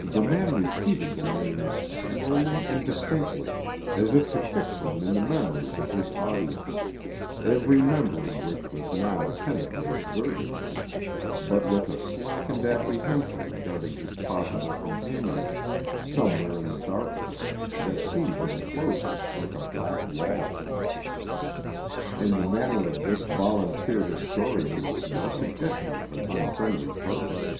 The man repeated the names slowly and distinctly, as if to fix them in the memories of his audience, every member of which was now attentively observing him, but with a slackened apprehension regarding his possible companions somewhere in the darkness that seemed to enclose us like a black wall; in the manner of this volunteer historian was no suggestion of an unfriendly purpose.